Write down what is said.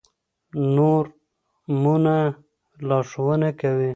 نورمونه لارښوونه کوي.